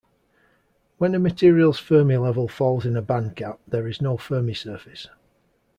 When a material's Fermi level falls in a bandgap, there is no Fermi surface.